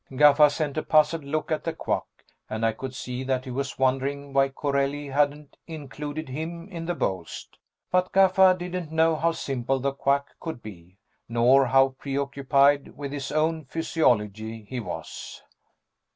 Gaffa sent a puzzled look at the Quack, and I could see that he was wondering why Corelli hadn't included him in the boast. But Gaffa didn't know how simple the Quack could be, nor how preoccupied with his own physiology he was.